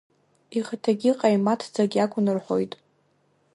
Ихаҭагьы ҟаимаҭӡак иакәын, — рҳәоит.